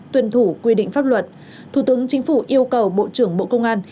tuân thủ quy định pháp luật thủ tướng chính phủ yêu cầu bộ trưởng bộ công an